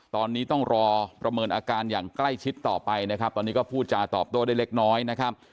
ตอนนี้ต้องรอประเมินอาการอย่างใกล้ชิดต่อไปนะครับตอนนี้ก็พูดจาตอบโต้ได้เล็กน้อยนะครับ